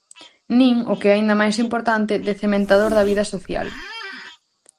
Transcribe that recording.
Nin, o que é aínda máis importante, de cementador da vida social.